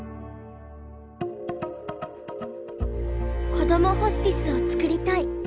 こどもホスピスを作りたい。